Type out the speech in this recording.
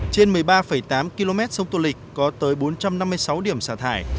trên một mươi ba tám km sông tô lịch có tới bốn trăm năm mươi sáu điểm xả thải